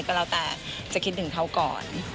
ก็จะคิดถึงเค้าก่อน